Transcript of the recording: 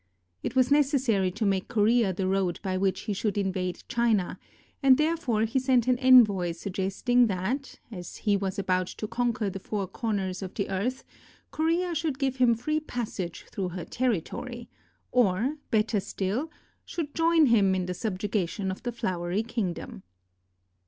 It was necessary to make Korea the road by which he should invade China, and therefore he sent an envoy suggesting that, as he was about to conquer the four corners of the earth, Korea should give him free passage through her territory, or, better still, should join him in the subjugation of the Flowery King dom.